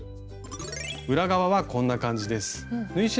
裏側はこんな感じです。